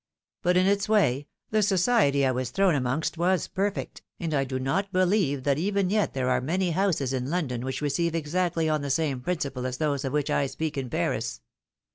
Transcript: But in its way, the society I was thrown amongst was perfect, and I do not beUeve that even yet there are many houses in London which receive exactly on the same principle as those of which I speak in Paris.